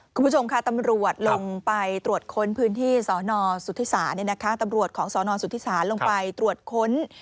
คุณผู้ชมค่ะตำรวจลงไปตรวจค้นพื้นที่สนสุธิศาตำรวจของสนสุธิศาลลงไปตรวจค้น